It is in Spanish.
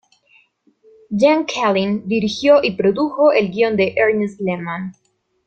Gene Kelly dirigió y produjo el guion de Ernest Lehman.